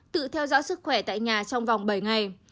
tự theo dõi sức khỏe tại nhà trong vòng bảy ngày